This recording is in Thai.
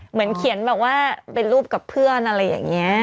เหมือนเขียนแบบว่าเป็นรูปกับเพื่อนอะไรอย่างนี้